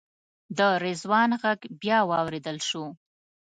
د رضوان غږ بیا واورېدل شو.